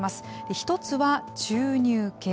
１つは注入系。